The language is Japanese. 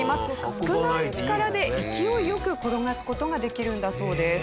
少ない力で勢いよく転がす事ができるんだそうです。